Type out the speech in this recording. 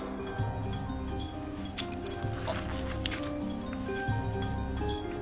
あっ。